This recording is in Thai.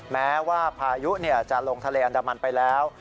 แม้ว่าพายุจะลงทะเลอันดามันไปแล้ว